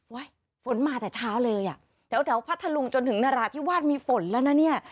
เว้ยฝนมาแต่เช้าเลยอ่ะเดี๋ยวพัดทะลุงจนถึงนราธิวันมีฝนแล้วนะเนี่ย